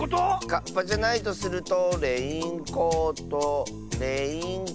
カッパじゃないとするとレインコートレインコート。